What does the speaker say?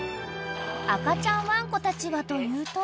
［赤ちゃんワンコたちはというと］